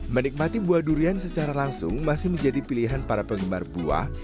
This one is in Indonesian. menikmati buah durian secara langsung masih menjadi pilihan para penggemar buah